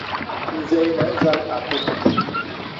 Zɛ̂ ìnə̀ à zàl àbɔ̄m.